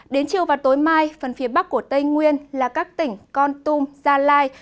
đến chiều và tối mai phần phía bắc của tây nguyên là các tỉnh con tum gia lai